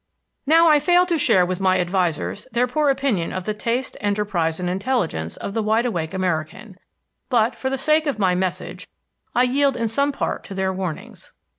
Now I fail to share with my advisers their poor opinion of the taste, enterprise, and intelligence of the wide awake American, but, for the sake of my message, I yield in some part to their warnings.